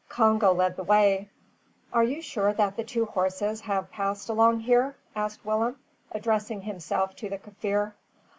Congo led the way. "Are you sure that the two horses have passed along here?" asked Willem, addressing himself to the Kaffir.